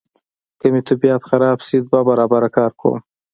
که مې طبیعت خراب شي دوه برابره کار کوم.